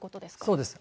そうです。